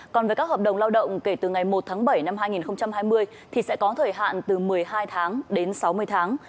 còn với các hợp đồng lao động kể từ ngày một tháng bảy năm hai nghìn hai mươi thì sẽ có thời hạn từ một mươi hai tháng đến sáu mươi tháng